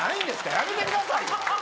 やめてください。